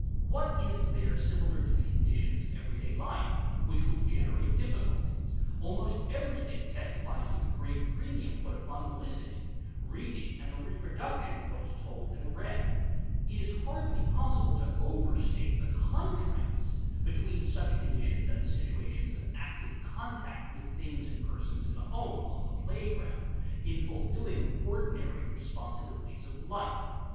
What is there similar to the conditions of everyday life which will generate difficulties? Almost everything testifies to the great premium put upon listening, reading, and the reproduction of what is told and read. It is hardly possible to overstate the contrast between such conditions and the situations of active contact with things and persons in the home, on the playground, in fulfilling of ordinary responsibilities of life.